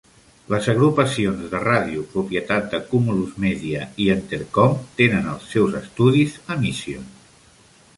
Les agrupacions de ràdio propietat de Cumulus Media i Entercom tenen els seus estudis a Mission.